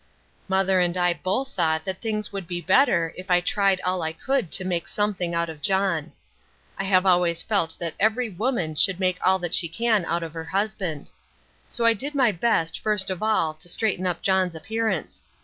Mother and I both thought that things would be better if I tried all I could to make something out of John. I have always felt that every woman should make all that she can out of her husband. So I did my best first of all to straighten up John's appearance.